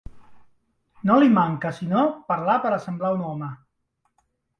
No li manca sinó parlar per a semblar un home.